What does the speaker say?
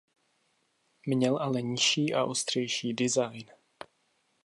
Měl ale nižší a ostřejší design.